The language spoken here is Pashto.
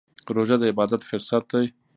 روژه د عبادت فرصت دی.